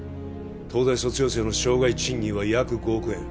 東大卒業生の生涯賃金は約５億円